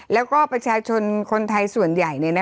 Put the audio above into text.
แล้วก็ประชาชนคนไทยส่วนใหญ่